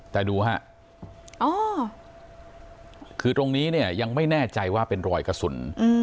แต่ดูฮะอ๋อคือตรงนี้เนี่ยยังไม่แน่ใจว่าเป็นรอยกระสุน